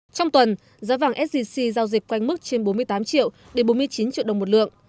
trong tuần giá vàng sgc giao dịch quanh mức trên bốn mươi tám triệu đến bốn mươi chín triệu đồng một lượng